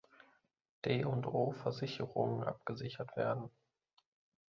D&O-Versicherung abgesichert werden.